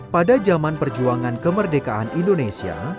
pada zaman perjuangan kemerdekaan indonesia